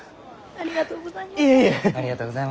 ありがとうございます。